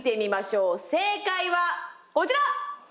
正解はこちら！